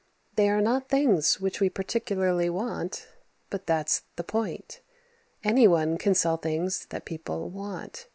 They are not things which we particularly want, but that's the point. Anyone can sell things that people want.